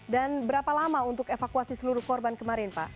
dan berapa lama untuk evakuasi seluruh korban kemarin pak